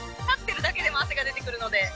立ってるだけでも汗が出てくるので。